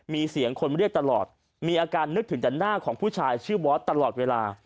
มีเสียงคนเรียกตลอดมีอาการนึกถึงแต่หน้าของผู้ชายชื่อบอสตลอดเวลา